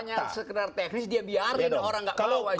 kalau mahkamahnya sekedar teknis dia biarin orang nggak ngawain